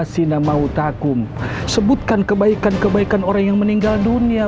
sebutkan kebaikan kebaikan orang yang meninggal dunia